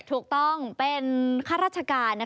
ถูกต้องเป็นข้าราชการ